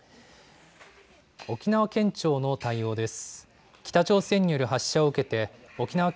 沖縄県庁の対応です。